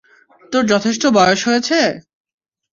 তোর যথেষ্ট বয়স হয়েছে?